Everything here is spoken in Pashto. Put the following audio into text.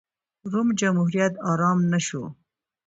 روم جمهوریت ارام نه شو.